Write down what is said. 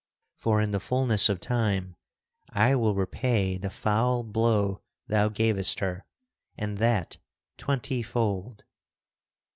For, in the fulness of time, I will repay the foul blow thou gavest her, and that twenty fold."